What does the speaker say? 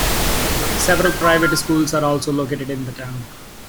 Several private schools are also located in the town.